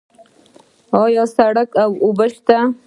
آیا سړک او اوبه شته؟